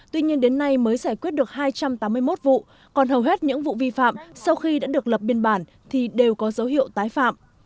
tuy nhiên đến nay mới giải quyết được hai trăm tám mươi một vụ còn hầu hết những vụ vi phạm sau khi đã được lập biên bản thì đều có dấu hiệu tái phạm